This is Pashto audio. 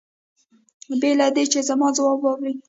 بې له دې چې زما ځواب واوري.